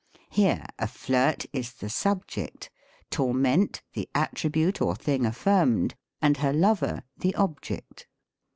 Here, a flirt is the subject ; torments, the attribute or thing affirmed ; and her lover, the object.